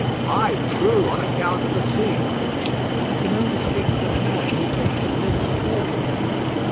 "Ay, true; on account of the sea." "I can only speak to the man who takes the things aboard."